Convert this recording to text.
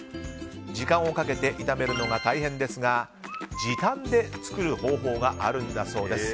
時間をかけて炒めるのが大変ですが時短で作る方法があるんだそうです。